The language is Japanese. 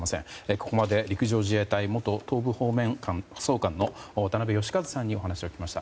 ここまで陸上自衛隊元東部方面総監の渡部悦和さんに聞きました。